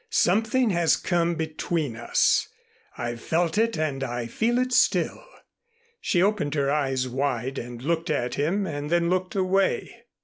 Something has come between us. I've felt it and I feel it still." She opened her eyes wide and looked at him and then looked away.